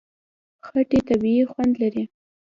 خټکی طبیعي خوند لري.